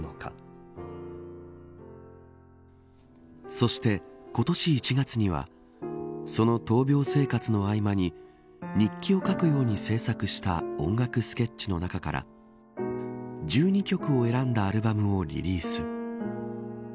そして、今年１月にはその闘病生活の合間に日記を書くように制作した音楽スケッチの中から１２曲を選んだアルバムをリリース。